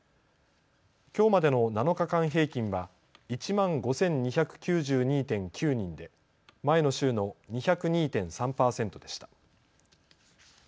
きょうまでの７日間平均は１万５２９２．９人で前の週の２０２．３％でした。